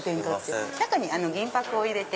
中に銀箔を入れて。